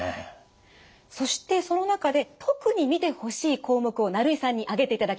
そしてその中で特に見てほしい項目を成井さんに挙げていただきました。